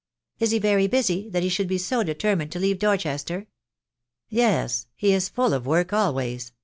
"Is he very busy, that he should be so determined to leave Dorchester?" "Yes; he is full of work always.